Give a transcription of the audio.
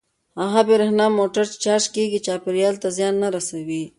هغه برېښنايي موټر چې چارج کیږي چاپیریال ته زیان نه رسوي.